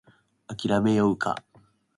諦めようか